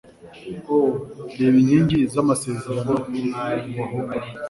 o reba inkingi zamasezerano mubahungu